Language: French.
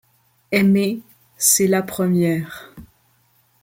Aimer, c’est lâ première